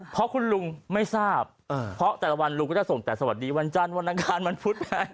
เพราะคุณลุงไม่ทราบเพราะแต่ละวันลุงก็จะส่งแต่สวัสดีวันจันทร์วันอังคารวันพุธไง